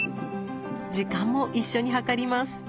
時間も一緒に計ります。